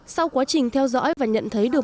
sau quá trình theo dõi và nhận thấy được